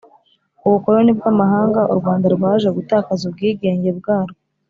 ubukoloni bw‘amahanga u Rwanda Rwaje gutakaza ubwigenge bwarwo